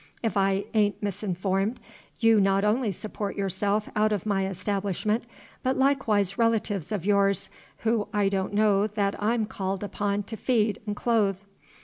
If I a'n't misinformed, you not only support yourself out of my establishment, but likewise relatives of yours, who I don't know that I'm called upon to feed and clothe.